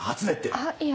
あっいや。